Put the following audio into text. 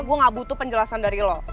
gue gak butuh penjelasan dari lo